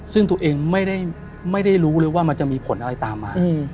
ซึ่งตัวเองไม่ได้รู้เลยว่ามันจะมีผลอะไรตามมา